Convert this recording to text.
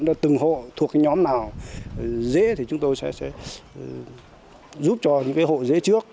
từng hộ thuộc cái nhóm nào dễ thì chúng tôi sẽ giúp cho những cái hộ dễ trước